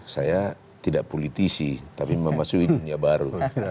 saya tidak politisi tapi memasuki dunia baru